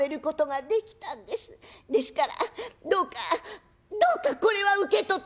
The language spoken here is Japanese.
ですからどうかどうかこれは受け取って」。